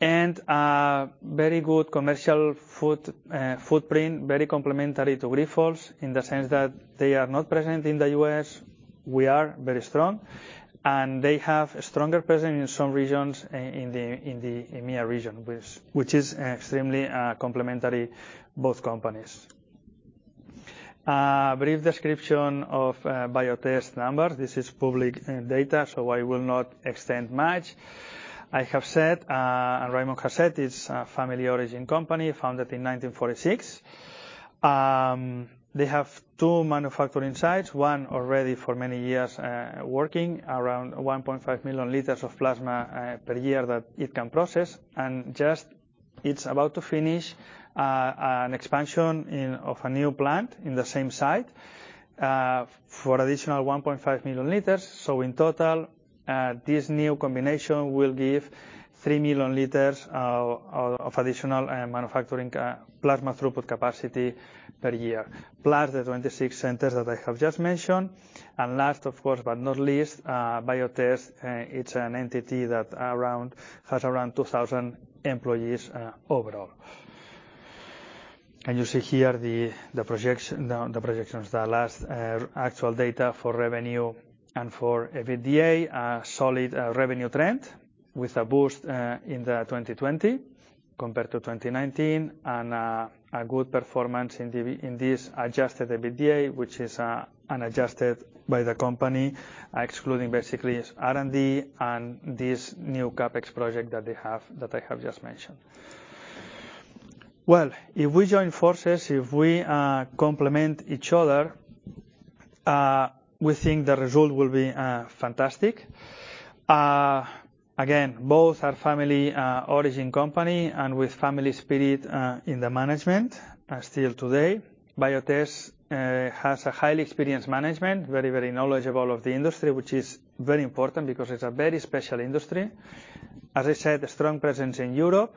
And very good commercial footprint, very complementary to Grifols in the sense that they are not present in the US; we are very strong. They have a stronger presence in some regions in the EMEA region, which is extremely complementary to both companies. Brief description of BioTest numbers. This is public data, so I will not extend much. I have said, and Raymond has said, it's a family-origin company founded in 1946. They have two manufacturing sites, one already for many years working around 1.5 million liters of plasma per year that it can process. It's about to finish an expansion of a new plant in the same site for additional 1.5 million liters. So in total, this new combination will give 3 million liters of additional manufacturing plasma throughput capacity per year, plus the 26 centers that I have just mentioned. Last, of course, but not least, BioTest is an entity that has around 2,000 employees overall. You see here the projections, the last actual data for revenue and for EBITDA, a solid revenue trend with a boost in 2020 compared to 2019, and a good performance in this adjusted EBITDA, which is adjusted by the company, excluding basically R&D and this new CAPEX project that I have just mentioned. If we join forces, if we complement each other, we think the result will be fantastic. Again, both are family-origin companies and with family spirit in the management still today. BioTest has a highly experienced management, very knowledgeable of the industry, which is very important because it's a very special industry. As I said, a strong presence in Europe.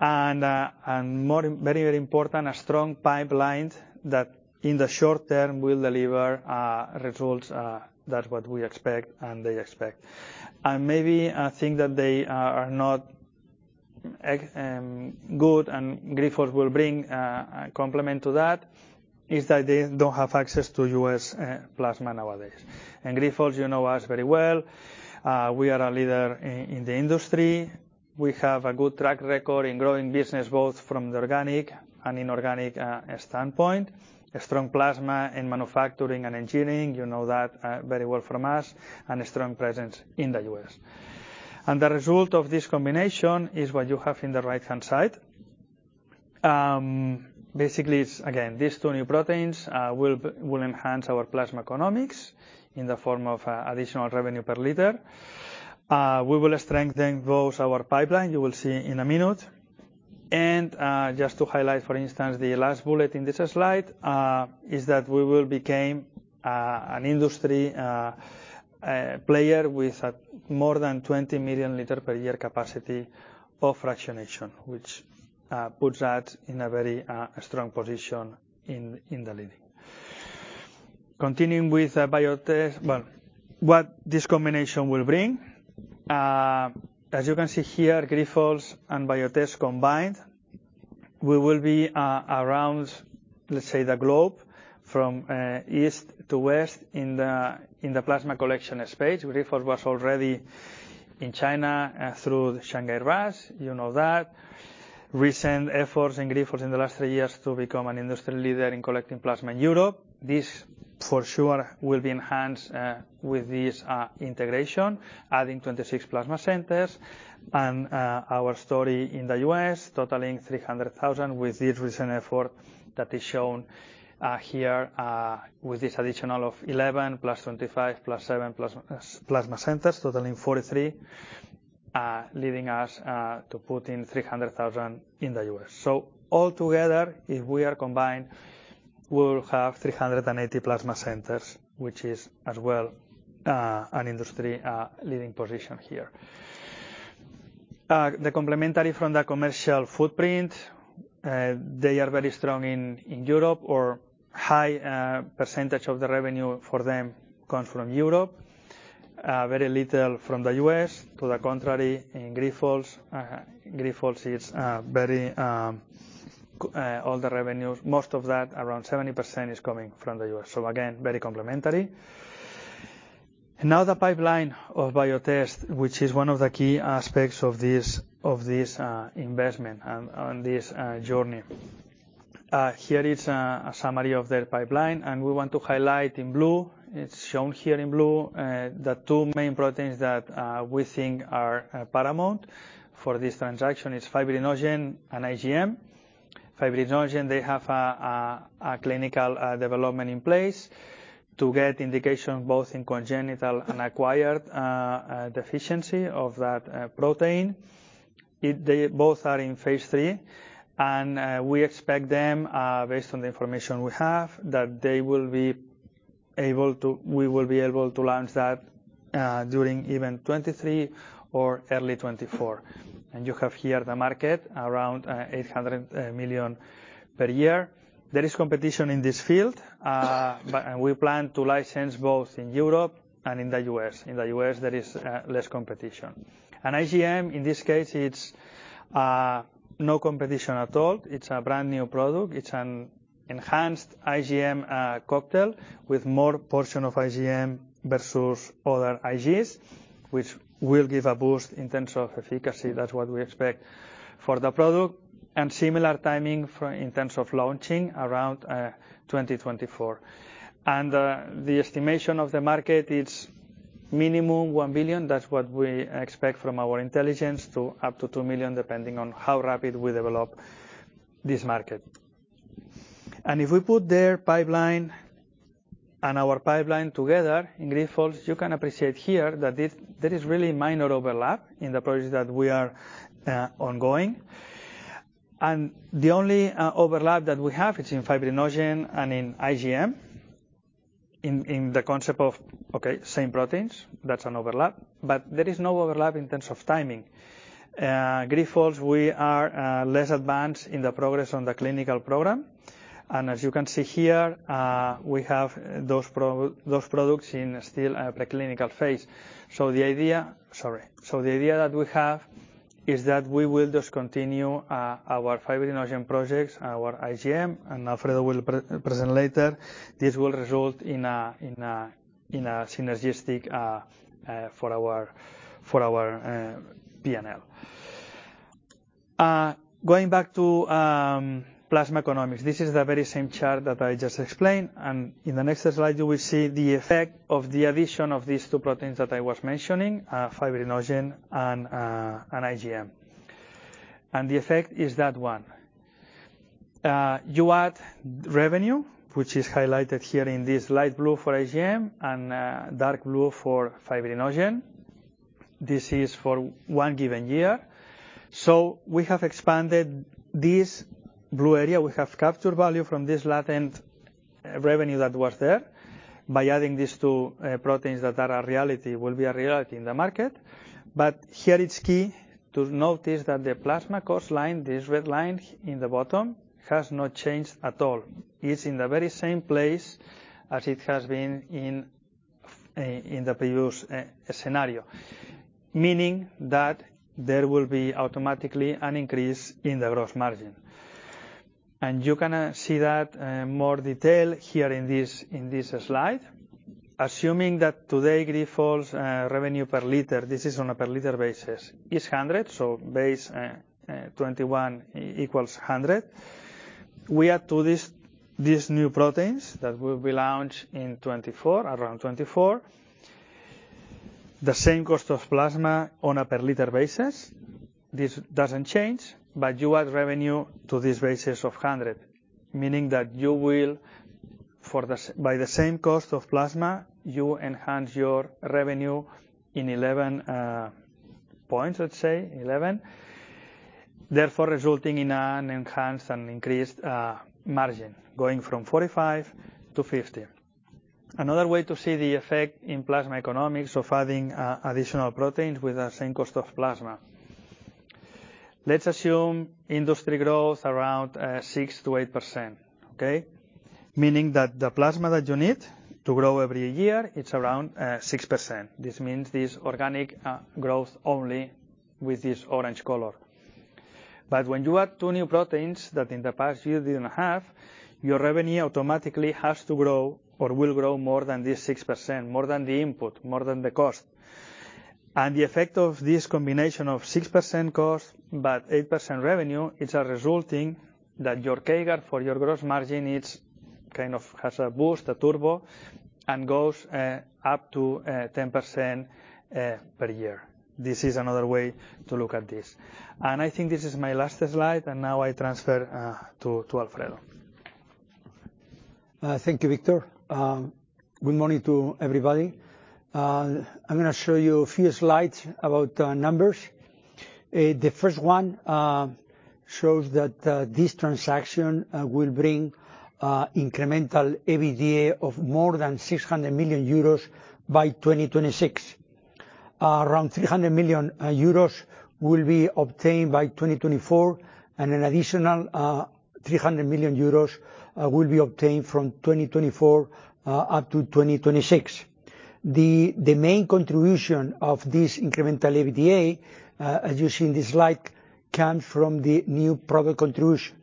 Very important, a strong pipeline that in the short term will deliver results. That's what we expect and they expect. Maybe a thing that they are not good at and Grifols will bring a complement to that is that they don't have access to US plasma nowadays. Grifols knows us very well. We are a leader in the industry. We have a good track record in growing business, both from the organic and inorganic standpoint. Strong plasma in manufacturing and engineering, you know that very well from us, and a strong presence in the US. The result of this combination is what you have in the right-hand side. Basically, again, these two new proteins will enhance our plasma economics in the form of additional revenue per liter. We will strengthen both our pipeline. You will see in a minute. Just to highlight, for instance, the last bullet in this slide is that we will become an industry player with more than 20 million liters per year capacity of fractionation, which puts us in a very strong position in the lead. Continuing with BioTest, what this combination will bring, as you can see here, Grifols and BioTest combined, we will be around the globe from east to west in the plasma collection space. Grifols was already in China through Shanghai Rust. You know that. Recent efforts in Grifols in the last three years to become an industry leader in collecting plasma in Europe. This, for sure, will be enhanced with this integration, adding 26 plasma centers to our story in the US, totaling 300 with this recent effort that is shown here with this additional 11 plus 25 plus 7 plasma centers, totaling 43, leading us to reach 300 in the US. Altogether, if we are combined, we will have 380 plasma centers, which is as well an industry leading position here. The complementary commercial footprint - they are very strong in Europe, where a high percentage of the revenue for them comes from Europe, very little from the US. To the contrary, in Grifols, most of the revenue, around 70%, is coming from the US. Again, very complementary. Now the pipeline of BioTest, which is one of the key aspects of this investment and this journey. Here is a summary of their pipeline. We want to highlight in blue, it's shown here in blue, the two main proteins that we think are paramount for this transaction. It's fibrinogen and IgM. Fibrinogen, they have a clinical development in place to get indication both in congenital and acquired deficiency of that protein. They both are in phase three. We expect them, based on the information we have, that they will be able to launch that during 2023 or early 2024. You have here the market around $800 million per year. There is competition in this field. We plan to license both in Europe and in the U.S. In the U.S., there is less competition. IgM, in this case, it's no competition at all. It's a brand new product. It's an enhanced IgM cocktail with more portion of IgM versus other Igs, which will give a boost in terms of efficacy. That's what we expect for the product. Similar timing in terms of launching around 2024. The estimation of the market is minimum $1 billion. That's what we expect from our intelligence to up to $2 million, depending on how rapid we develop this market. If we put their pipeline and our pipeline together in Grifols, you can appreciate here that there is really minor overlap in the projects that we are ongoing. The only overlap that we have is in fibrinogen and in IgM, in the concept of, okay, same proteins. That's an overlap. But there is no overlap in terms of timing. Grifols, we are less advanced in the progress on the clinical program. As you can see here, we have those products in still preclinical phase. The idea that we have is that we will just continue our fibrinogen projects, our IgM, and Alfredo will present later. This will result in a synergistic for our P&L. Going back to plasma economics, this is the very same chart that I just explained. In the next slide, you will see the effect of the addition of these two proteins that I was mentioning, fibrinogen and IgM. The effect is that one. You add revenue, which is highlighted here in this light blue for IgM and dark blue for fibrinogen. This is for one given year. We have expanded this blue area. We have captured value from this latent revenue that was there by adding these two proteins that are a reality will be a reality in the market. But here, it's key to notice that the plasma cost line, this red line in the bottom, has not changed at all. It's in the very same place as it has been in the previous scenario, meaning that there will be automatically an increase in the gross margin. You can see that in more detail here in this slide. Assuming that today Grifols revenue per liter, this is on a per-liter basis, is 100. So base 21 equals 100. We add to these new proteins that will be launched in 24, around 24, the same cost of plasma on a per-liter basis. This doesn't change, but you add revenue to this basis of 100, meaning that you will, by the same cost of plasma, you enhance your revenue in 11 points, let's say 11%, therefore resulting in an enhanced and increased margin going from 45% to 50%. Another way to see the effect in plasma economics of adding additional proteins with the same cost of plasma. Let's assume industry growth around 6% to 8%, okay? Meaning that the plasma that you need to grow every year, it's around 6%. This means this organic growth only with this orange color. But when you add two new proteins that in the past year didn't have, your revenue automatically has to grow or will grow more than this 6%, more than the input, more than the cost. The effect of this combination of 6% cost but 8% revenue is resulting that your CAGR for your gross margin kind of has a boost, a turbo, and goes up to 10% per year. This is another way to look at this. I think this is my last slide, and now I transfer to Alfredo. Thank you, Victor. Good morning to everybody. I'm going to show you a few slides about numbers. The first one shows that this transaction will bring incremental EBITDA of more than €600 million by 2026. Around €300 million will be obtained by 2024, and an additional €300 million will be obtained from 2024 up to 2026. The main contribution of this incremental EBITDA, as you see in this slide, comes from the new product contribution,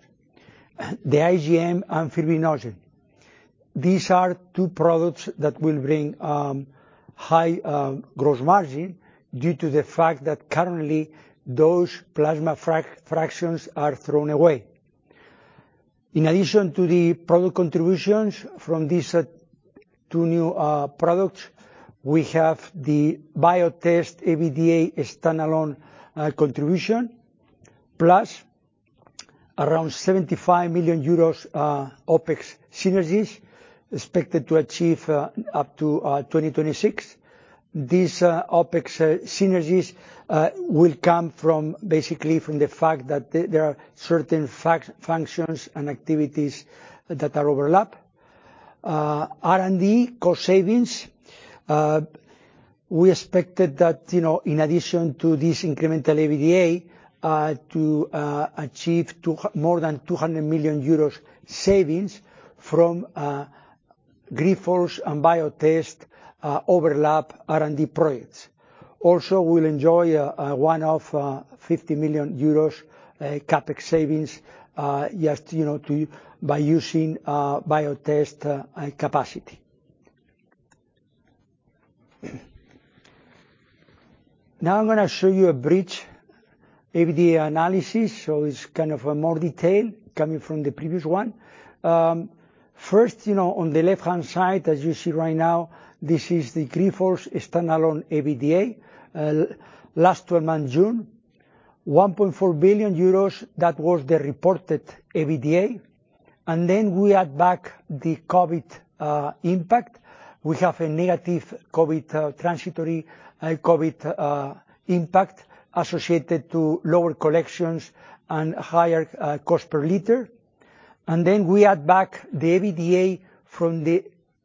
the IgM and fibrinogen. These are two products that will bring high gross margin due to the fact that currently those plasma fractions are thrown away. In addition to the product contributions from these two new products, we have the BioTest EBITDA standalone contribution, plus around €75 million OPEX synergies expected to achieve up to 2026. These OPEX synergies will come basically from the fact that there are certain functions and activities that are overlapped. R&D cost savings. We expected that in addition to this incremental EBITDA, to achieve more than €200 million savings from Grifols and BioTest overlap R&D projects. Also, we'll enjoy one of €50 million CAPEX savings just by using BioTest capacity. Now I'm going to show you a bridge EBITDA analysis. It's kind of more detail coming from the previous one. First, on the left-hand side, as you see right now, this is the Grifols standalone EBITDA, last 12 months June, €1.4 billion. That was the reported EBITDA. Then we add back the COVID impact. We have a negative COVID transitory COVID impact associated to lower collections and higher cost per liter. We add back the EBITDA from the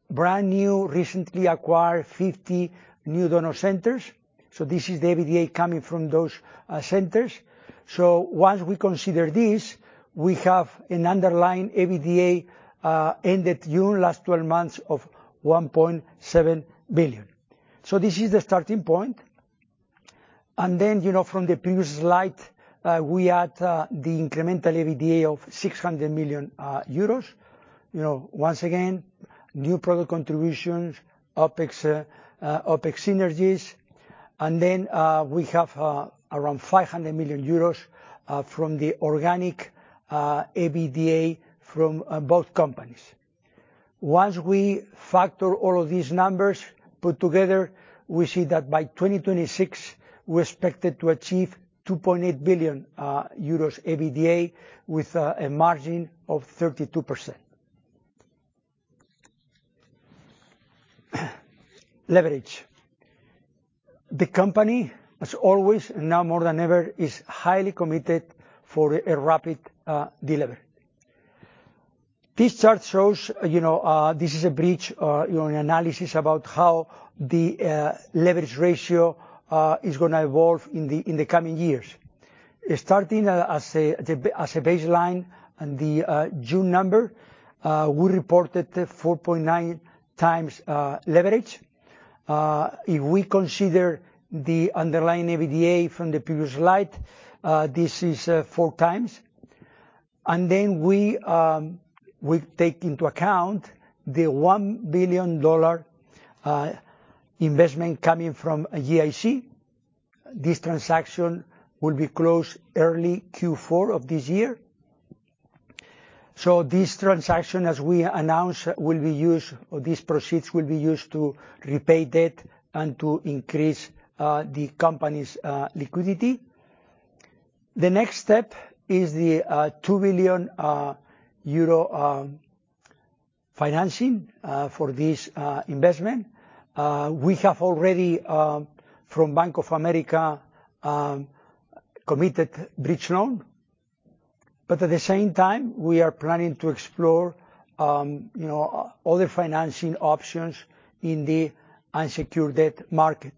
brand new recently acquired 50 new donor centers. This is the EBITDA coming from those centers. Once we consider this, we have an underlying EBITDA ended June, last 12 months of €1.7 billion. This is the starting point. From the previous slide, we add the incremental EBITDA of €600 million. Once again, new product contributions, OPEX synergies. We have around €500 million from the organic EBITDA from both companies. Once we factor all of these numbers put together, we see that by 2026, we're expected to achieve €2.8 billion EBITDA with a margin of 32%. Leverage. The company, as always, and now more than ever, is highly committed for a rapid delivery. This chart shows this is a bridge analysis about how the leverage ratio is going to evolve in the coming years. Starting as a baseline and the June number, we reported 4.9 times leverage. If we consider the underlying EBITDA from the previous slide, this is 4 times. Then we take into account the $1 billion investment coming from GIC. This transaction will be closed early Q4 of this year. This transaction, as we announced, will be used or these proceeds will be used to repay debt and to increase the company's liquidity. The next step is the €2 billion financing for this investment. We have already, from Bank of America, committed bridge loan. At the same time, we are planning to explore other financing options in the unsecured debt market.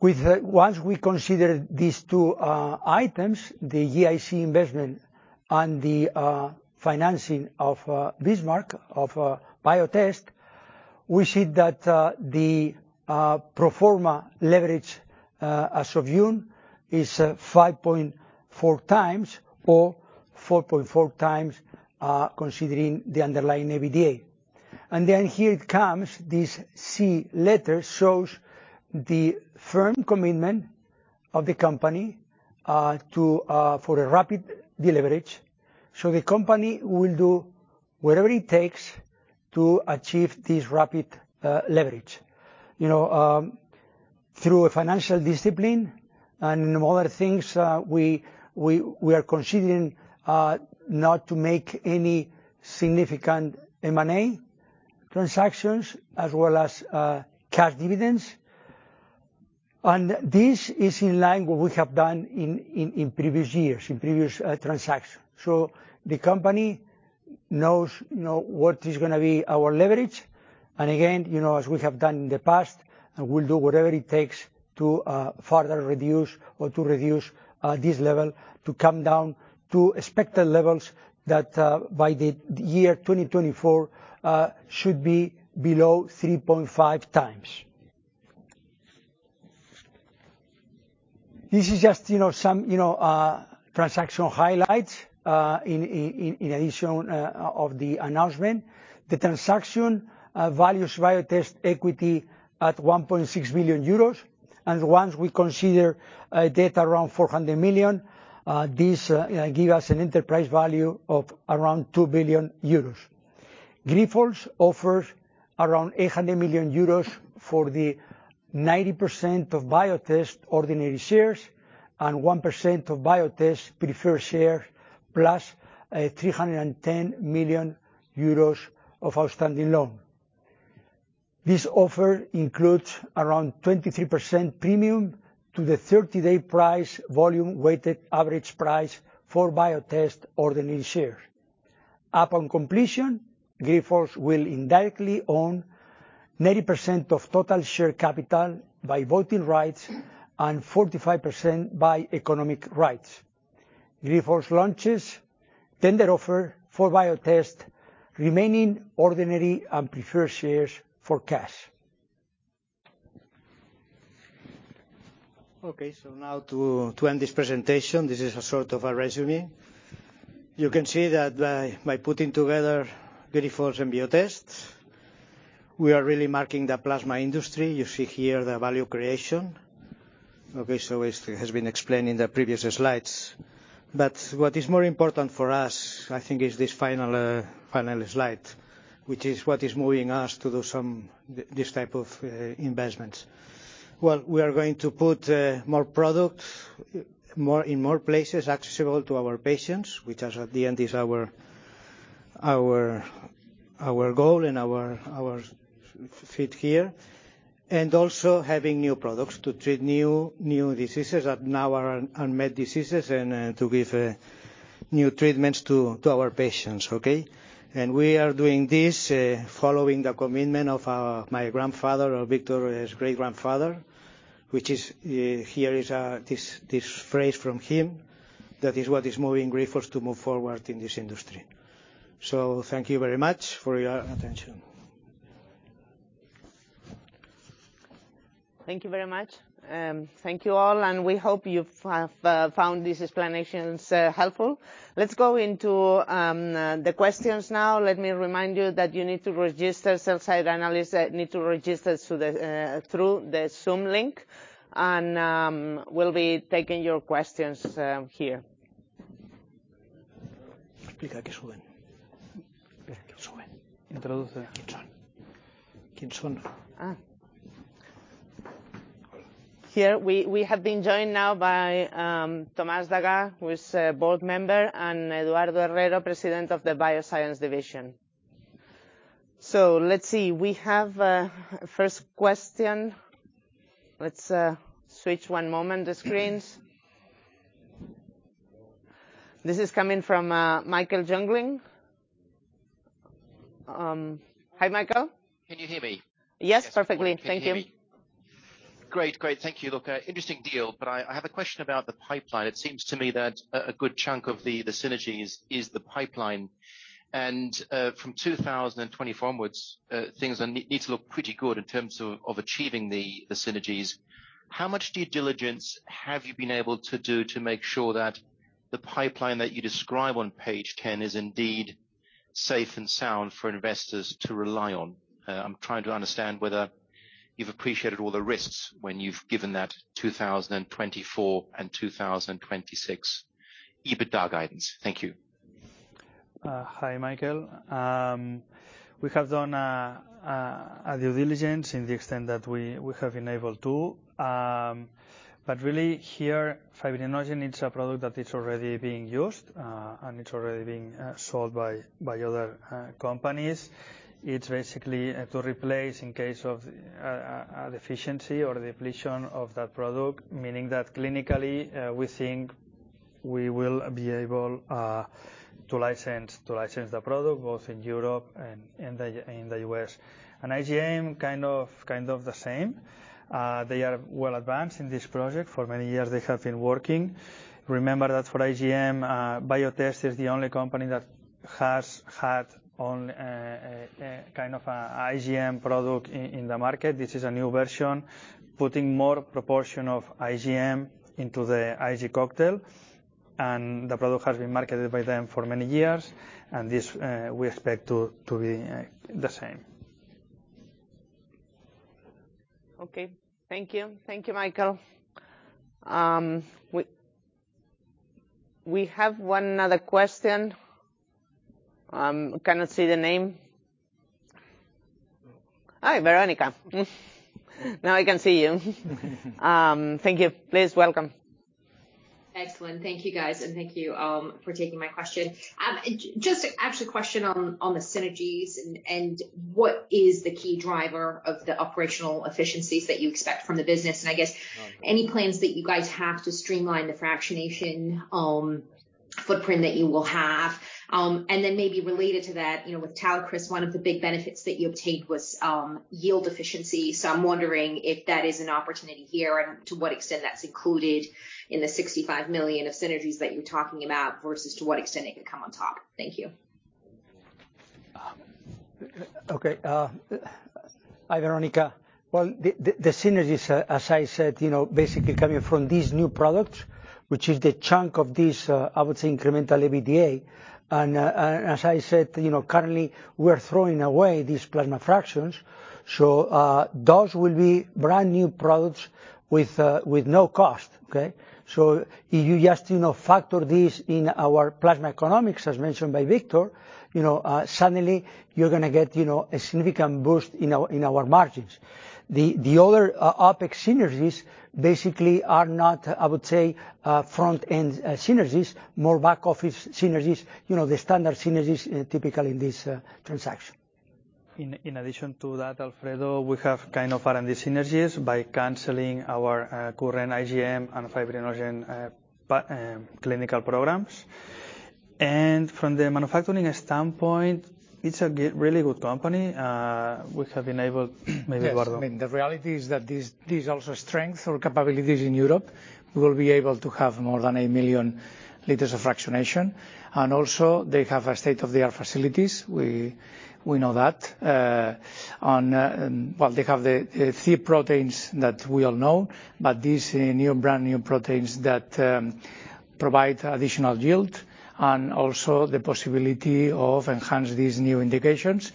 Once we consider these two items, the GIC investment and the financing of Bismarck of BioTest, we see that the proforma leverage as of June is 5.4 times or 4.4 times considering the underlying EBITDA. Here it comes, this C letter shows the firm commitment of the company for a rapid delivery. The company will do whatever it takes to achieve this rapid leverage through a financial discipline. Among other things, we are considering not to make any significant M&A transactions as well as cash dividends. This is in line with what we have done in previous years, in previous transactions. The company knows what is going to be our leverage. Again, as we have done in the past, we'll do whatever it takes to further reduce or to reduce this level to come down to expected levels that by the year 2024 should be below 3.5 times. This is just some transaction highlights in addition of the announcement. The transaction values BioTest equity at €1.6 billion. Once we consider debt around €400 million, this gives us an enterprise value of around €2 billion. Grifols offers around €800 million for the 90% of BioTest ordinary shares and 1% of BioTest preferred shares, plus €310 million of outstanding loan. This offer includes around 23% premium to the 30-day price volume weighted average price for BioTest ordinary shares. Upon completion, Grifols will indirectly own 90% of total share capital by voting rights and 45% by economic rights. Grifols launches tender offer for BioTest, remaining ordinary and preferred shares for cash. Now to end this presentation, this is a sort of a resume. You can see that by putting together Grifols and BioTest, we are really marking the plasma industry. You see here the value creation. It has been explained in the previous slides. But what is more important for us, I think, is this final slide, which is what is moving us to do some of these types of investments. We are going to put more products in more places accessible to our patients, which at the end is our goal and our fit here. Also having new products to treat new diseases that now are unmet diseases and to give new treatments to our patients. We are doing this following the commitment of my grandfather, or Victor's great-grandfather, which here is this phrase from him that is what is moving Grifols to move forward in this industry. Thank you very much for your attention. Thank you very much. Thank you all, and we hope you have found these explanations helpful. Let's go into the questions now. Let me remind you that you need to register cell site analyst, need to register through the Zoom link, and we'll be taking your questions here. Bikain zoaz. Introduce. Kim Son. Kim Son. Here, we have been joined now by Thomas Degas, who is a Board Member, and Eduardo Herrera, President of the Bioscience Division. Let's see, we have a first question. Let's switch one moment the screens. This is coming from Michael Jungling. Hi, Michael. Can you hear me? Yes, perfectly. Thank you. Great, great. Thank you. Look, interesting deal, but I have a question about the pipeline. It seems to me that a good chunk of the synergies is the pipeline. From 2024 onwards, things need to look pretty good in terms of achieving the synergies. How much due diligence have you been able to do to make sure that the pipeline that you describe on page 10 is indeed safe and sound for investors to rely on? I'm trying to understand whether you've appreciated all the risks when you've given that 2024 and 2026 EBITDA guidance. Thank you. Hi, Michael. We have done due diligence to the extent that we have been able to. But really, here, fibrinogen is a product that is already being used and it's already being sold by other companies. It's basically to replace in case of deficiency or depletion of that product, meaning that clinically we think we will be able to license the product both in Europe and in the US. IGM, kind of the same. They are well advanced in this project. For many years, they have been working. Remember that for IGM, BioTest is the only company that has had kind of an IGM product in the market. This is a new version, putting more proportion of IGM into the IG cocktail. The product has been marketed by them for many years, and this we expect to be the same. Okay. Thank you. Thank you, Michael. We have one other question. I cannot see the name. Hi, Veronica. Now I can see you. Thank you. Please welcome. Excellent. Thank you, guys. Thank you all for taking my question. Just actually a question on the synergies and what is the key driver of the operational efficiencies that you expect from the business? I guess any plans that you guys have to streamline the fractionation footprint that you will have. Then maybe related to that, with TeleChris, one of the big benefits that you obtained was yield efficiency. So I'm wondering if that is an opportunity here and to what extent that's included in the $65 million of synergies that you're talking about versus to what extent it can come on top. Thank you. Okay. Hi, Veronica. Well, the synergies, as I said, basically coming from these new products, which is the chunk of this, I would say, incremental EBITDA. And as I said, currently, we're throwing away these plasma fractions. So those will be brand new products with no cost, okay? So if you just factor this in our plasma economics, as mentioned by Victor, suddenly you're going to get a significant boost in our margins. The other OPEX synergies basically are not, I would say, front-end synergies, more back-office synergies, the standard synergies typical in this transaction. In addition to that, Alfredo, we have kind of R&D synergies by canceling our current IGM and fibrinogen clinical programs. And from the manufacturing standpoint, it's a really good company. We have been able maybe Eduardo. The reality is that these are also strengths or capabilities in Europe. We will be able to have more than 8 million liters of fractionation. They have state-of-the-art facilities. We know that. They have the three proteins that we all know, but these new brand new proteins that provide additional yield and also the possibility of enhancing these new indications.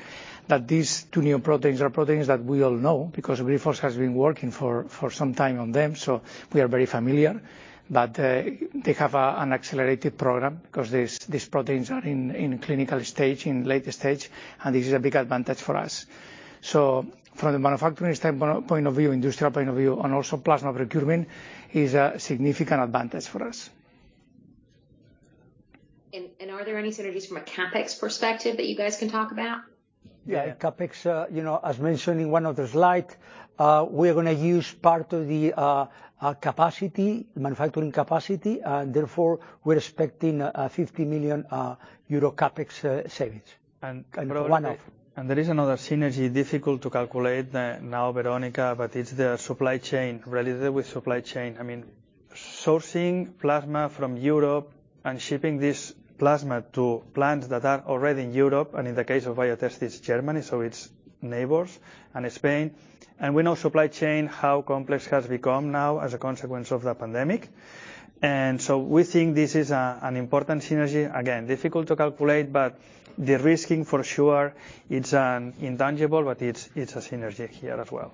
These two new proteins are proteins that we all know because Grifols has been working for some time on them, so we are very familiar. They have an accelerated program because these proteins are in clinical stage, in late stage, and this is a big advantage for us. So from the manufacturing standpoint of view, industrial point of view, and also plasma procurement is a significant advantage for us. Are there any synergies from a CAPEX perspective that you guys can talk about? Yeah, CAPEX, as mentioned in one other slide, we are going to use part of the capacity, manufacturing capacity, and therefore we're expecting €50 million CAPEX savings. There is another synergy difficult to calculate now, Veronica, but it's the supply chain related with supply chain. I mean, sourcing plasma from Europe and shipping this plasma to plants that are already in Europe, and in the case of BioTest, it's Germany, so it's neighbors, and Spain. We know supply chain how complex has become now as a consequence of the pandemic. So we think this is an important synergy. Again, difficult to calculate, but the risking for sure, it's intangible, but it's a synergy here as well.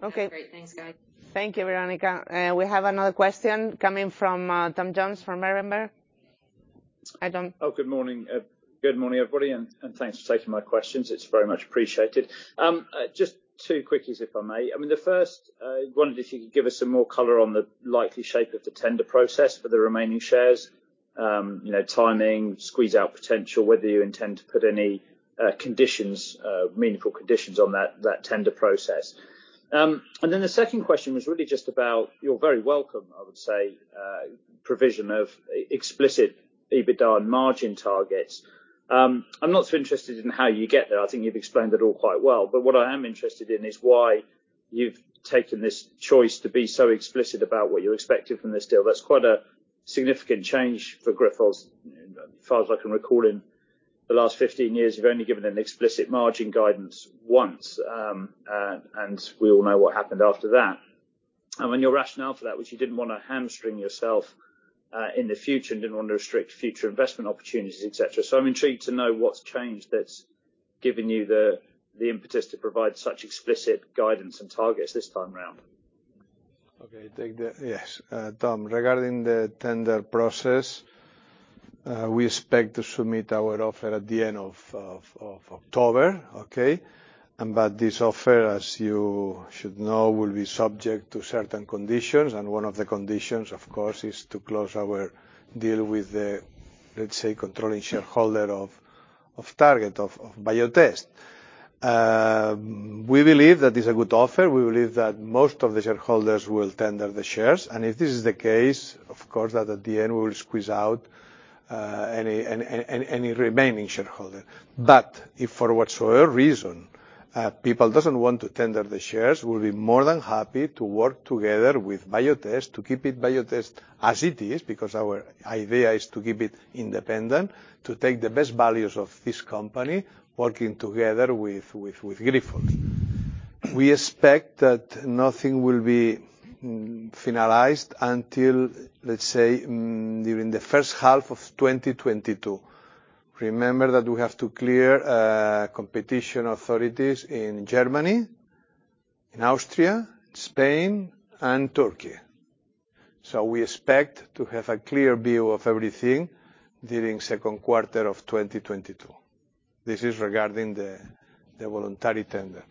Okay. Great. Thanks, guys. Thank you, Veronica. We have another question coming from Tom Jones from Merriam-Barr. Good morning. Good morning, everybody, and thanks for taking my questions. It's very much appreciated. Just two quickies, if I may. The first, I wondered if you could give us some more color on the likely shape of the tender process for the remaining shares, timing, squeeze-out potential, whether you intend to put any meaningful conditions on that tender process. The second question was really just about your very welcome, I would say, provision of explicit EBITDA and margin targets. I'm not so interested in how you get there. I think you've explained it all quite well. But what I am interested in is why you've taken this choice to be so explicit about what you expected from this deal. That's quite a significant change for Grifols, as far as I can recall in the last 15 years. You've only given an explicit margin guidance once, and we all know what happened after that. Your rationale for that, which you didn't want to hamstring yourself in the future and didn't want to restrict future investment opportunities, etc. So I'm intrigued to know what's changed that's given you the impetus to provide such explicit guidance and targets this time around. Okay, yes. Tom, regarding the tender process, we expect to submit our offer at the end of October, okay? But this offer, as you should know, will be subject to certain conditions. One of the conditions, of course, is to close our deal with the, let's say, controlling shareholder of Target, of BioTest. We believe that it's a good offer. We believe that most of the shareholders will tender the shares. If this is the case, of course, that at the end we will squeeze out any remaining shareholder. But if for whatsoever reason people don't want to tender the shares, we'll be more than happy to work together with BioTest to keep it BioTest as it is, because our idea is to keep it independent, to take the best values of this company working together with Grifols. We expect that nothing will be finalized until, let's say, during the first half of 2022. Remember that we have to clear competition authorities in Germany, in Austria, Spain, and Turkey. So we expect to have a clear view of everything during the second quarter of 2022. This is regarding the voluntary tender.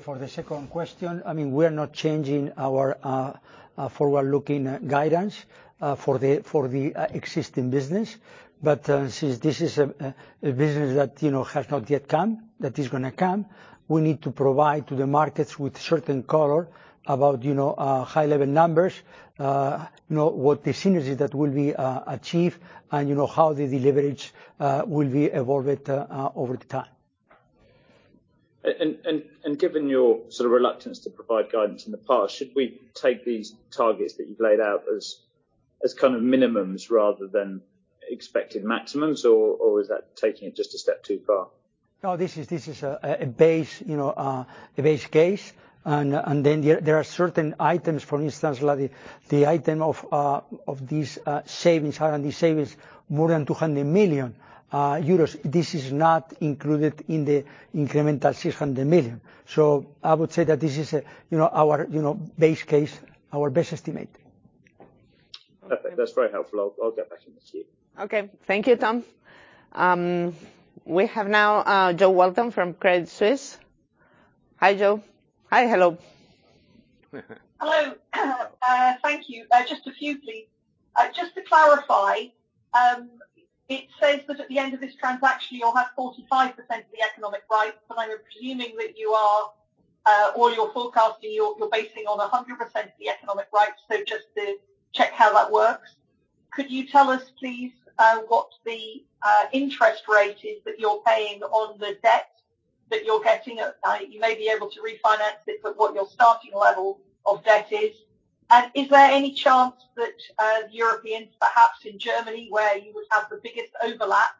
For the second question, I mean, we are not changing our forward-looking guidance for the existing business. But since this is a business that has not yet come, that is going to come, we need to provide to the markets with certain color about high-level numbers, what the synergy that will be achieved, and how the delivery will be evolved over time. Given your sort of reluctance to provide guidance in the past, should we take these targets that you've laid out as kind of minimums rather than expected maximums, or is that taking it just a step too far? No, this is a base case. And then there are certain items, for instance, like the item of these savings, R&D savings, more than €200 million. This is not included in the incremental €600 million. So I would say that this is our base case, our best estimate. Perfect. That's very helpful. I'll get back in a few. Okay. Thank you, Tom. We have now Joe Welton from Credit Suisse. Hi, Joe. Hi, hello. Hello. Thank you. Just a few, please. Just to clarify, it says that at the end of this transaction, you'll have 45% of the economic rights, but I'm assuming that you are or you're forecasting you're basing on 100% of the economic rights. So just to check how that works, could you tell us, please, what the interest rate is that you're paying on the debt that you're getting? You may be able to refinance it, but what your starting level of debt is? Is there any chance that the Europeans, perhaps in Germany, where you would have the biggest overlap,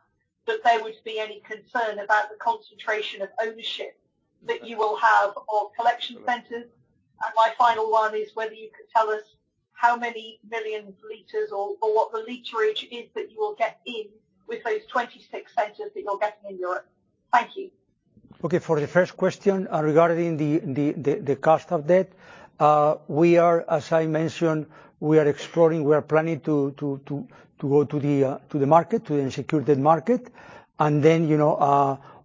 that there would be any concern about the concentration of ownership that you will have of collection centers? My final one is whether you could tell us how many million liters or what the literage is that you will get in with those 26 centers that you're getting in Europe. Thank you. For the first question regarding the cost of debt, we are, as I mentioned, exploring. We are planning to go to the market, to the unsecured debt market.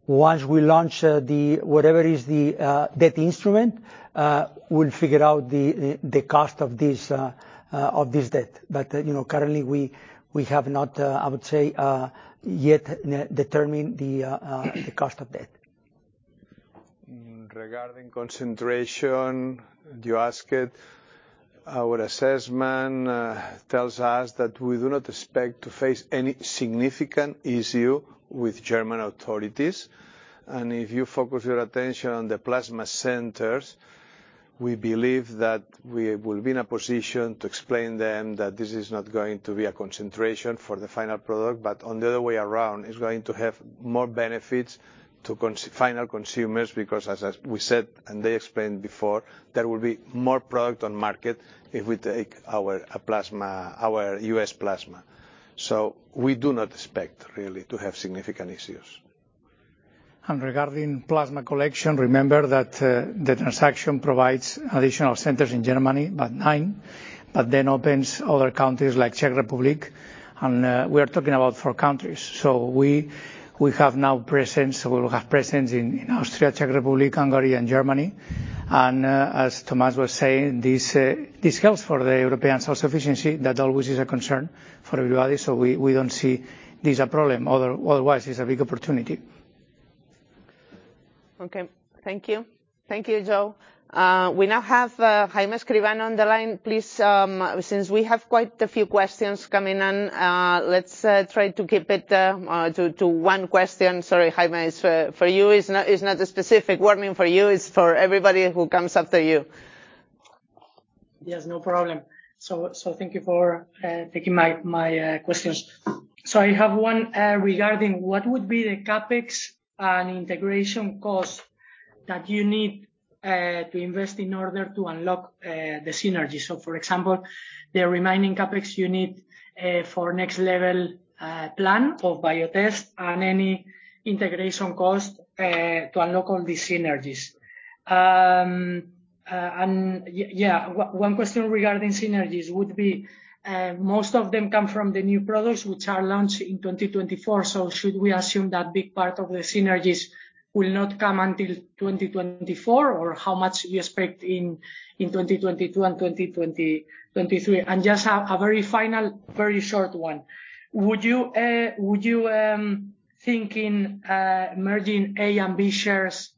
Once we launch whatever is the debt instrument, we'll figure out the cost of this debt. But currently, we have not yet determined the cost of debt. Regarding concentration, you asked about it. Our assessment tells us that we do not expect to face any significant issue with German authorities. If you focus your attention on the plasma centers, we believe that we will be in a position to explain to them that this is not going to be a concentration for the final product, but on the contrary, it's going to have more benefits to final consumers because, as we said and as they explained before, there will be more product on the market if we take our US plasma. So we do not expect really to have significant issues. Regarding plasma collection, remember that the transaction provides additional centers in Germany, but nine, but then opens other countries like Czech Republic. We are talking about four countries. So we have now presence, we will have presence in Austria, Czech Republic, Hungary, and Germany. As Thomas was saying, this helps for the European self-sufficiency that always is a concern for everybody. So we don't see this as a problem. Otherwise, it's a big opportunity. Okay. Thank you. Thank you, Joe. We now have Jaime Escribán on the line. Please, since we have quite a few questions coming in, let's try to keep it to one question. Sorry, Jaime, it's for you. It's not a specific warning for you. It's for everybody who comes after you. Yes, no problem. Thank you for taking my questions. I have one regarding what would be the CAPEX and integration cost that you need to invest in order to unlock the synergies. For example, the remaining CAPEX you need for next-level plan of BioTest and any integration cost to unlock all these synergies. One question regarding synergies would be most of them come from the new products which are launched in 2024. Should we assume that big part of the synergies will not come until 2024, or how much do you expect in 2022 and 2023? Just a very final, very short one. Would you think in merging A and B shares,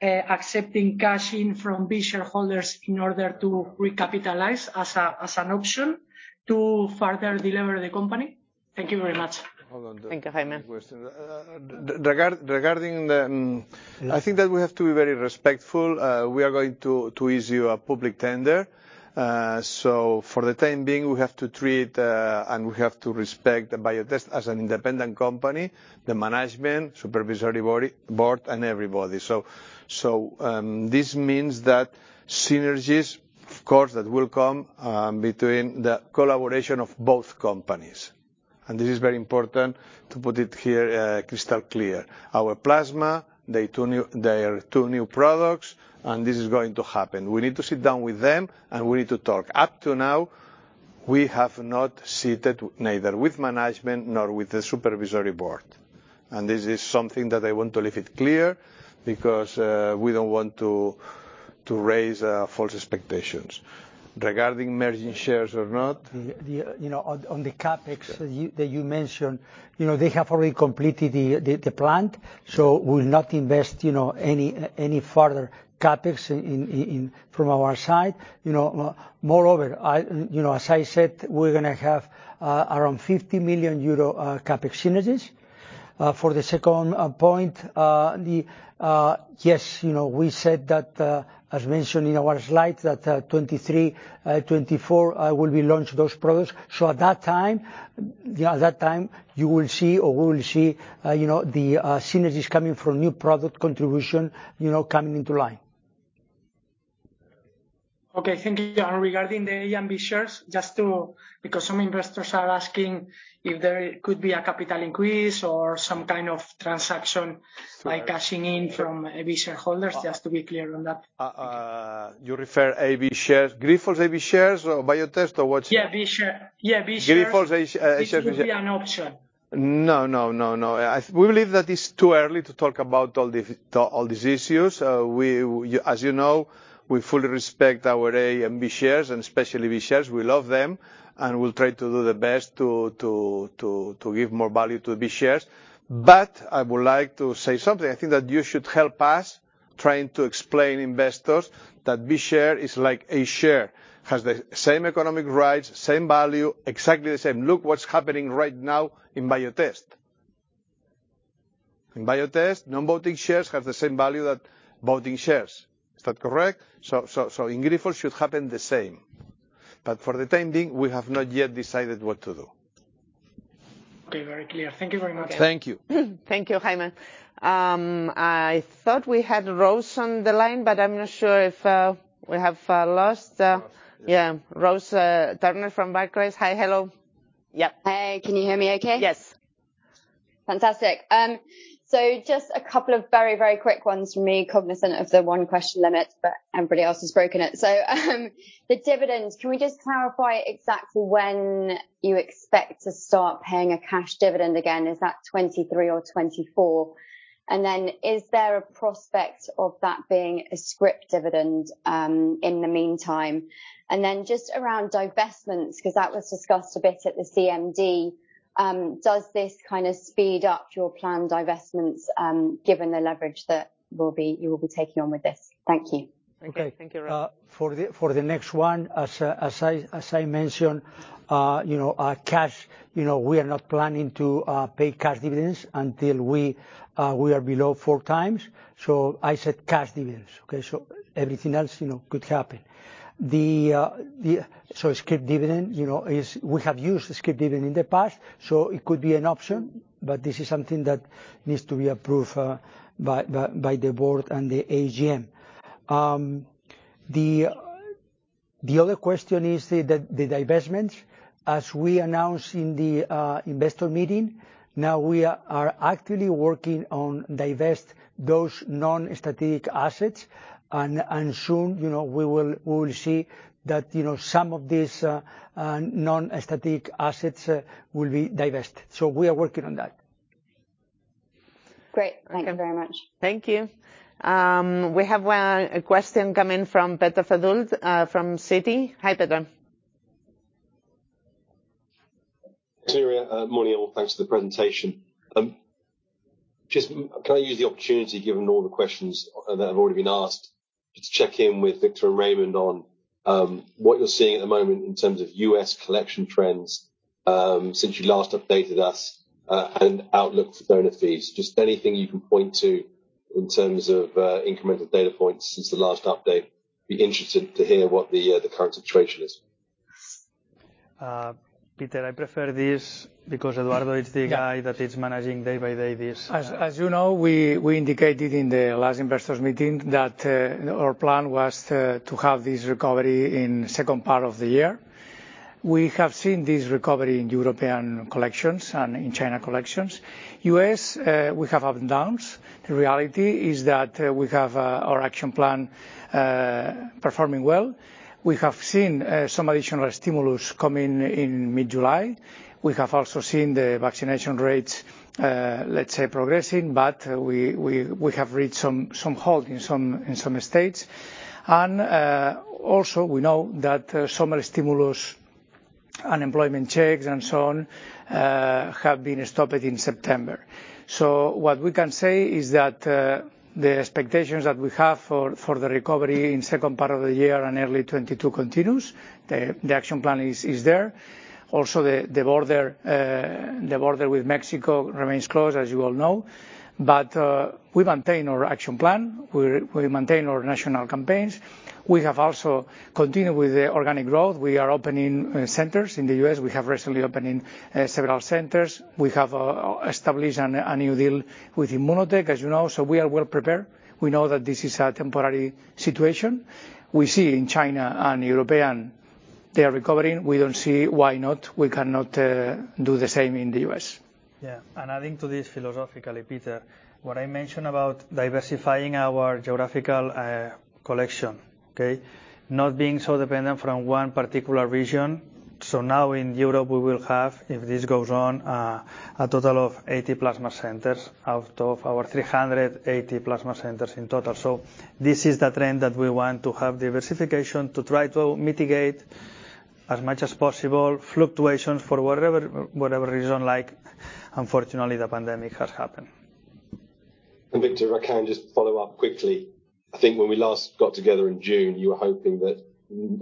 accepting cash in from B shareholders in order to recapitalize as an option to further deliver the company? Thank you very much. Thank you, Jaime. Regarding, I think that we have to be very respectful. We are going to issue a public tender. So for the time being, we have to treat and we have to respect BioTest as an independent company, the management, supervisory board, and everybody. This means that synergies, of course, will come between the collaboration of both companies. This is very important to put it here crystal clear. Our plasma, they are two new products, and this is going to happen. We need to sit down with them, and we need to talk. Up to now, we have not sat neither with management nor with the supervisory board. This is something that I want to leave clear because we don't want to raise false expectations regarding merging shares or not. On the CAPEX that you mentioned, they have already completed the plant, so we will not invest any further CAPEX from our side. Moreover, as I said, we're going to have around €50 million CAPEX synergies. For the second point, yes, we said that, as mentioned in our slides, that 2023, 2024, we'll be launching those products. At that time, you will see or we will see the synergies coming from new product contribution coming into line. Okay. Thank you. Regarding the A and B shares, just because some investors are asking if there could be a capital increase or some kind of transaction like cashing in from AB shareholders, just to be clear on that. You refer to AB shares, Grifols AB shares or BioTest or what? Yeah, B shares. Grifols AB shares. It should be an option. No, no, no, no. We believe that it's too early to talk about all these issues. As you know, we fully respect our A and B shares, and especially B shares. We love them, and we'll try to do the best to give more value to B shares. But I would like to say something. I think that you should help us trying to explain investors that B share is like A share. It has the same economic rights, same value, exactly the same. Look what's happening right now in BioTest. In BioTest, non-voting shares have the same value that voting shares. Is that correct? So in Grifols, it should happen the same. But for the time being, we have not yet decided what to do. Okay. Very clear. Thank you very much. Thank you. Thank you, Jaime. I thought we had Rose on the line, but I'm not sure if we have lost. Yeah. Rose Turner from Barclays. Hi, hello. Yep. Hey. Can you hear me okay? Yes. Fantastic. Just a couple of very quick ones from me, cognizant of the one-question limit, but everybody else has broken it. The dividends, can we just clarify exactly when you expect to start paying a cash dividend again? Is that 2023 or 2024? Is there a prospect of that being a scrip dividend in the meantime? Just around divestments, because that was discussed a bit at the CMD, does this kind of speed up your planned divestments given the leverage that you will be taking on with this? Thank you. Okay. Thank you, Ron. For the next one, as I mentioned, cash, we are not planning to pay cash dividends until we are below four times. I said cash dividends, okay? Everything else could happen. Script dividend, we have used script dividend in the past, so it could be an option, but this is something that needs to be approved by the board and the AGM. The other question is the divestments. As we announced in the investor meeting, now we are actively working on divesting those non-strategic assets, and soon we will see that some of these non-strategic assets will be divested. We are working on that. Great. Thank you very much. Thank you. We have a question coming from Peter of Adult from City. Hi, Peter. Good evening. Morning all. Thanks for the presentation. Just can I use the opportunity, given all the questions that have already been asked, just to check in with Victor and Raymond on what you're seeing at the moment in terms of US collection trends since you last updated us and outlook for donor fees? Just anything you can point to in terms of incremental data points since the last update. Be interested to hear what the current situation is. Peter, I prefer this because Eduardo is the guy that is managing day by day this. As you know, we indicated in the last investors meeting that our plan was to have this recovery in the second part of the year. We have seen this recovery in European collections and in China collections. US, we have ups and downs. The reality is that we have our action plan performing well. We have seen some additional stimulus coming in mid-July. We have also seen the vaccination rates progressing, but we have reached some halt in some states. Also, we know that summer stimulus and employment checks and so on have been stopped in September. So what we can say is that the expectations that we have for the recovery in the second part of the year and early 2022 continues. The action plan is there. Also, the border with Mexico remains closed, as you all know. But we maintain our action plan. We maintain our national campaigns. We have also continued with the organic growth. We are opening centers in the U.S. We have recently opened several centers. We have established a new deal with Immunotech, as you know. So we are well prepared. We know that this is a temporary situation. We see in China and Europe, they are recovering. We don't see why we cannot do the same in the U.S. And adding to this philosophically, Peter, what I mentioned about diversifying our geographical collection, not being so dependent from one particular region. So now in Europe, we will have, if this goes on, a total of 80 plasma centers out of our 380 plasma centers in total. So this is the trend that we want to have diversification to try to mitigate as much as possible fluctuations for whatever reason, like unfortunately, the pandemic has happened. Victor, I can just follow up quickly. I think when we last got together in June, you were hoping that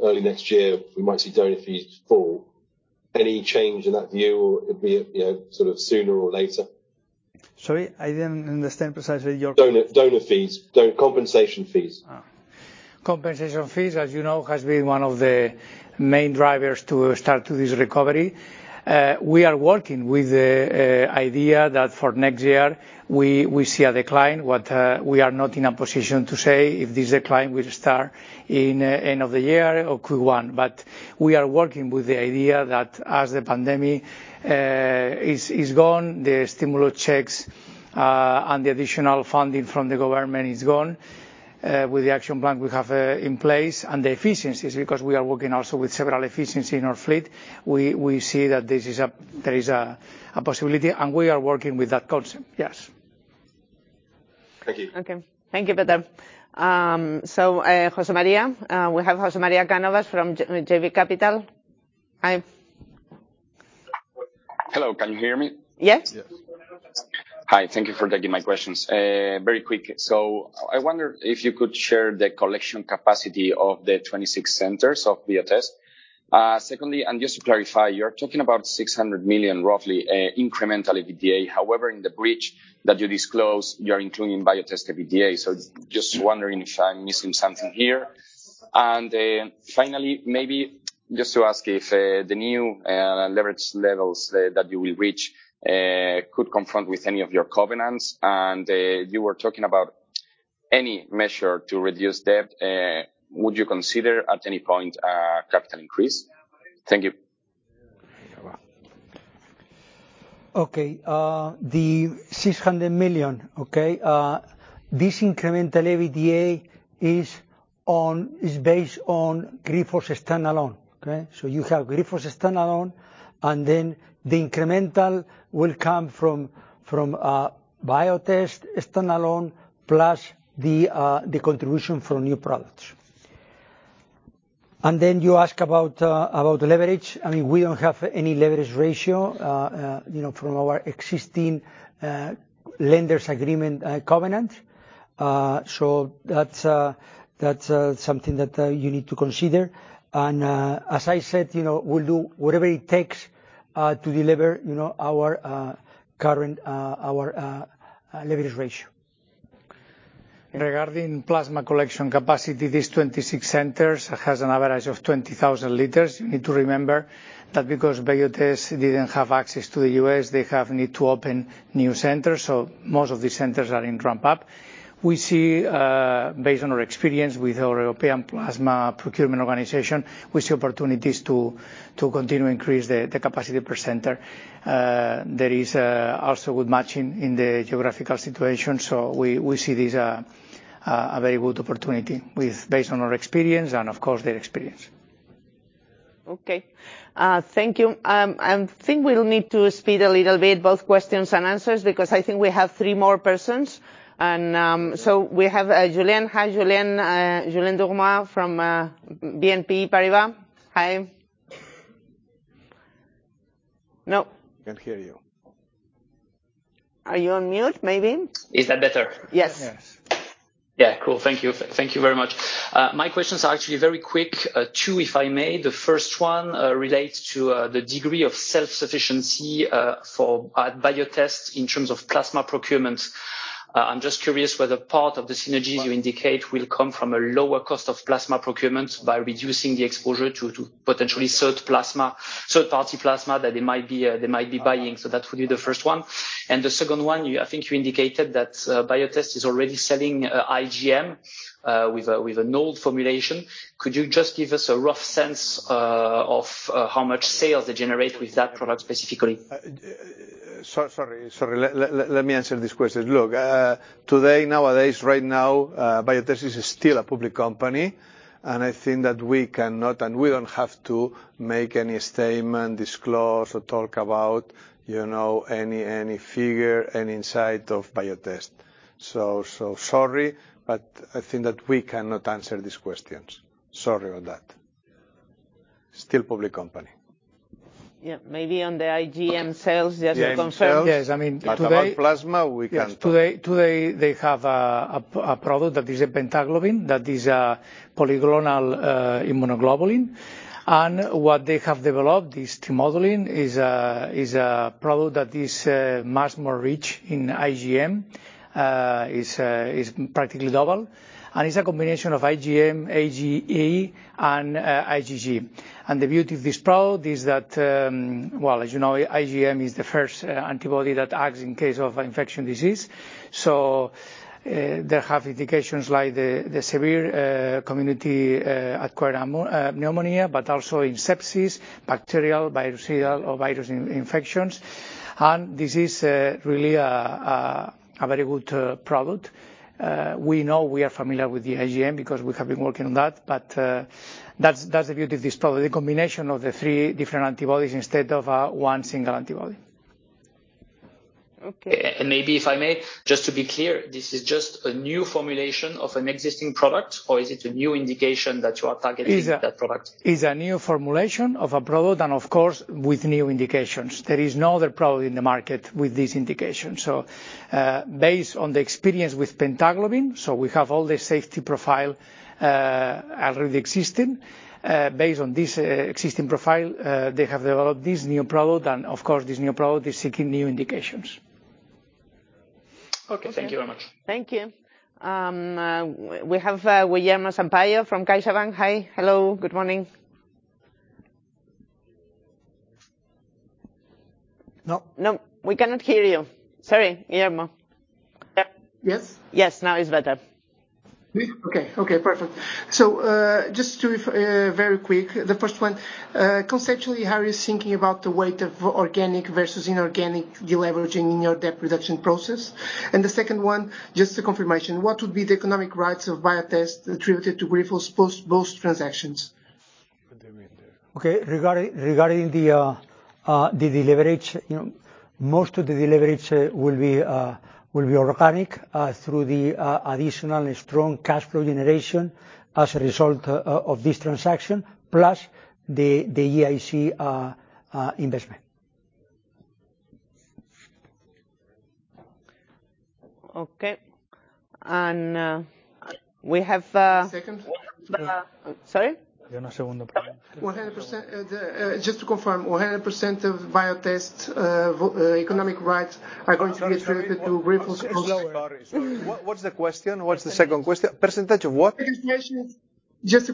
early next year we might see donor fees fall. Any change in that view, or would it be sooner or later? Sorry? I didn't understand precisely. Donor fees, compensation fees. Compensation fees, as you know, have been one of the main drivers to start this recovery. We are working with the idea that for next year, we see a decline, but we are not in a position to say if this decline will start at the end of the year or Q1. But we are working with the idea that as the pandemic is gone, the stimulus checks and the additional funding from the government are gone with the action plan we have in place. And the efficiencies, because we are working also with several efficiencies in our fleet, we see that there is a possibility, and we are working with that concept. Thank you. Okay. Thank you, Peter. So José María, we have José María Cánovas from JV Capital. Hi. Hello. Can you hear me? Yes. Hi. Thank you for taking my questions. Very quick. I wonder if you could share the collection capacity of the 26 centers of BioTest. Secondly, just to clarify, you're talking about $600 million, roughly, incremental EBITDA. However, in the bridge that you disclosed, you are including BioTest EBITDA. I'm wondering if I'm missing something here. Finally, maybe just to ask if the new leverage levels that you will reach could conflict with any of your covenants. You were talking about any measure to reduce debt. Would you consider at any point a capital increase? Thank you. The $600 million incremental EBITDA is based on Grifols standalone. So you have Grifols standalone, and then the incremental will come from BioTest standalone plus the contribution from new products. You ask about leverage. I mean, we don't have any leverage ratio from our existing lenders' agreement covenants. So that's something that you need to consider. As I said, we'll do whatever it takes to deliver our current leverage ratio. Regarding plasma collection capacity, these 26 centers have an average of 20,000 liters. You need to remember that because BioTest didn't have access to the US, they have need to open new centers. So most of these centers are in ramp-up. We see, based on our experience with our European Plasma Procurement Organization, we see opportunities to continue to increase the capacity per center. There is also good matching in the geographical situation. We see this as a very good opportunity based on our experience and, of course, their experience. Okay. Thank you. I think we'll need to speed up a little bit, both questions and answers, because I think we have three more persons. And so we have Julien. Hi, Julien Dourmart from BNP Paribas. Hi. No? Can't hear you. Are you on mute, maybe? Is that better? Yes. Yeah. Cool. Thank you. Thank you very much. My questions are actually very quick, two, if I may. The first one relates to the degree of self-sufficiency for BioTest in terms of plasma procurement. I'm just curious whether part of the synergies you indicate will come from a lower cost of plasma procurement by reducing the exposure to potentially third-party plasma that they might be buying. So that would be the first one. The second one, I think you indicated that BioTest is already selling IGM with an old formulation. Could you just give us a rough sense of how much sales they generate with that product specifically? Sorry. Sorry. Let me answer this question. Look, today, nowadays, right now, BioTest is still a public company. I think that we cannot and we don't have to make any statement, disclose, or talk about any figure, any insight of BioTest. So sorry, but I think that we cannot answer these questions. Sorry on that. Still public company. Yeah. Maybe on the IGM sales, just to confirm. Yes. Yes. I mean, today. But for plasma, we can talk. Today, they have a product that is a pentaglobulin that is a polygonal immunoglobulin. What they have developed, this timodulin, is a product that is much more rich in IgM. It's practically double. It's a combination of IgM, IgA, and IgG. The beauty of this product is that, as you know, IgM is the first antibody that acts in case of infectious disease. So they have indications like severe community-acquired pneumonia, but also in sepsis, bacterial, viral infections. This is really a very good product. We know we are familiar with the IgM because we have been working on that. But that's the beauty of this product, the combination of the three different antibodies instead of one single antibody. Maybe if I may, just to be clear, this is just a new formulation of an existing product, or is it a new indication that you are targeting for that product? It's a new formulation of a product, and of course, with new indications. There is no other product in the market with this indication. So based on the experience with pentaglobulin, we have all the safety profile already existing. Based on this existing profile, they have developed this new product. And of course, this new product is seeking new indications. Okay. Thank you very much. Thank you. We have Guillermo Sampaio from Kaiserbank. Hi. Hello. Good morning. No. No. We cannot hear you. Sorry, Guillermo. Yes? Yes. Now it's better. Okay. Perfect. So just very quick, the first one, conceptually, how are you thinking about the weight of organic versus inorganic deleveraging in your debt reduction process? And the second one, just a confirmation, what would be the economic rights of BioTest attributed to Grifols post-both transactions? Okay. Regarding the deleveraging, most of the deleveraging will be organic through the additional strong cash flow generation as a result of this transaction, plus the EIC investment. Okay. And we have. Second. Sorry? 100%. Just to confirm, 100% of BioTest's economic rights are going to be attributed to Grifols post-both? What's the question? What's the second question? Percentage of what? Just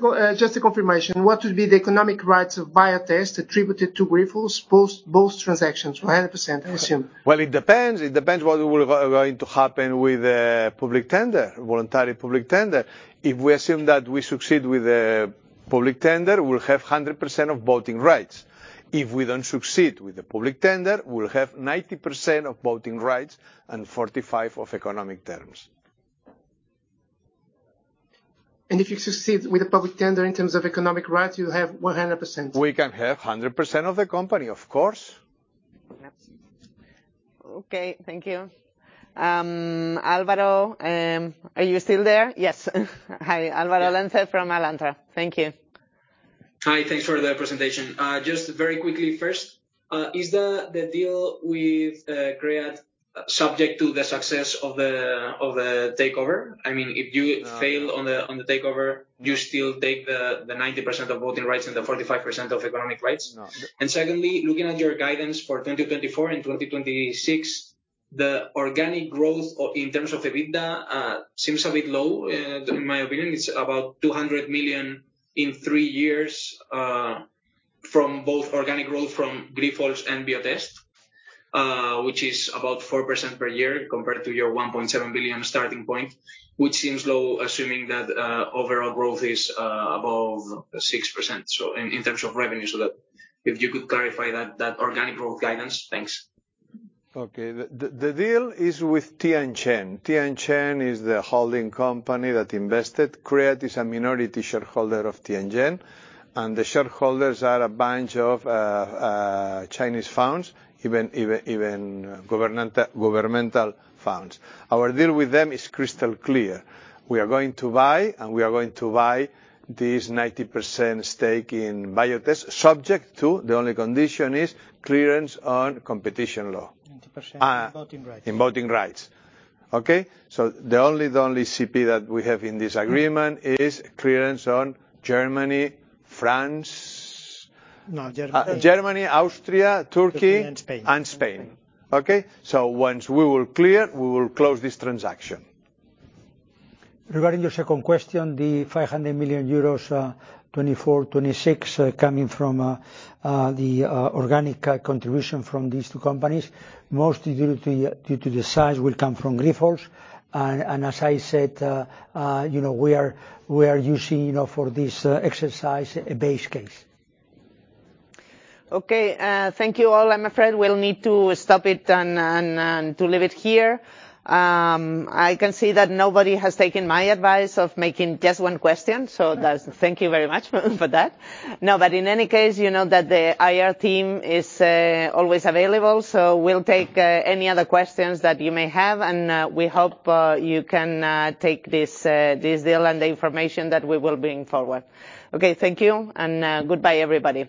a confirmation. What would be the economic rights of BioTest attributed to Grifols post-both transactions, 100% assumed? Well, it depends. It depends what will going to happen with the public tender, voluntary public tender. If we assume that we succeed with the public tender, we'll have 100% of voting rights. If we don't succeed with the public tender, we'll have 90% of voting rights and 45% of economic terms. If you succeed with the public tender in terms of economic rights, you'll have 100%? We can have 100% of the company, of course. Okay. Thank you. Álvaro, are you still there? Yes. Hi. Álvaro Lance from Alantra. Thank you. Hi. Thanks for the presentation. Just very quickly first, is the deal with Cread subject to the success of the takeover? I mean, if you fail on the takeover, you still take the 90% of voting rights and the 45% of economic rights? No. Secondly, looking at your guidance for 2024 and 2026, the organic growth in terms of EBITDA seems a bit low. In my opinion, it's about $200 million in three years from both organic growth from Grifols and BioTest, which is about 4% per year compared to your $1.7 billion starting point, which seems low assuming that overall growth is above 6% in terms of revenue. So if you could clarify that organic growth guidance, thanks. The deal is with Tianjen. Tianjen is the holding company that invested. Cread is a minority shareholder of Tianjen. The shareholders are a bunch of Chinese funds, even governmental funds. Our deal with them is crystal clear. We are going to buy, and we are going to buy this 90% stake in BioTest, subject to the only condition is clearance on competition law. 90% on voting rights. In voting rights. Okay? So the only CP that we have in this agreement is clearance on Germany, France. No, Germany. Germany, Austria, Turkey. Spain, and Spain. And Spain. Once we clear, we will close this transaction. Regarding your second question, the €500 million, 24, 26, coming from the organic contribution from these two companies, mostly due to the size, will come from Grifols. And as I said, we are using for this exercise a base case. Okay. Thank you all. I'm afraid we'll need to stop it and to leave it here. I can see that nobody has taken my advice of making just one question. So thank you very much for that. No, but in any case, you know that the IR team is always available. So we'll take any other questions that you may have. We hope you can take this deal and the information that we will bring forward. Okay. Thank you and goodbye, everybody.